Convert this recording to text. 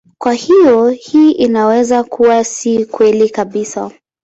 Kwa hiyo hii inaweza kuwa si kweli kabisa.